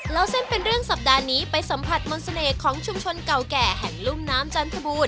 เล่าเส้นเป็นเรื่องสัปดาห์นี้ไปสัมผัสมนต์เสน่ห์ของชุมชนเก่าแก่แห่งลุ่มน้ำจันทบูรณ